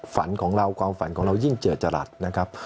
ฝันของเราความฝันของเรายิ่งเจอจรัสนะครับ